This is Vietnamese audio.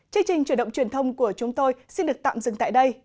chương trình chủ động truyền thông của chúng tôi xin được tạm dừng tại đây